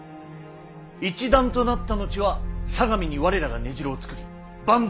一団となった後は相模に我らが根城を作り坂東